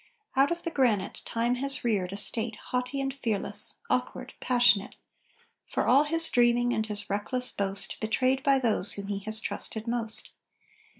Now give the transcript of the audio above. Out of the granite, Time has reared a State Haughty and fearless, awkward, passionate For all his dreaming and his reckless boast, Betrayed by those whom he has trusted most.